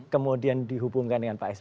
kemudian dihubungkan dengan pak sb